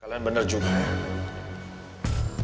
kalian bener juga ya